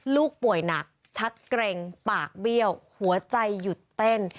ลูกป่วยหนักชักเกร็งปากเบี้ยวหัวใจหยุดเต้น